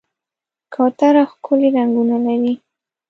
کوتره ښکلي رنګونه لري.